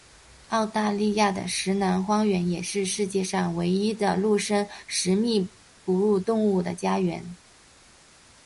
澳大利亚的石楠荒原也是世界上唯一的陆生食蜜哺乳动物的家园。